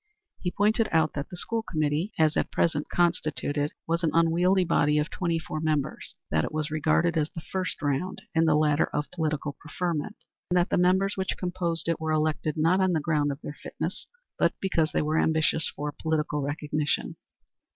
He pointed out that the school committee, as at present constituted, was an unwieldy body of twenty four members, that it was regarded as the first round in the ladder of political preferment, and that the members which composed it were elected not on the ground of their fitness, but because they were ambitious for political recognition.